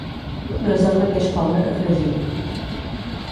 No és el mateix coure que fregir.